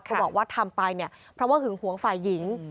บอกว่าทำไปเนี่ยเพราะว่าหึงหวงฝ่ายหญิง